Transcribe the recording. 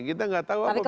kita gak tahu apa pikiran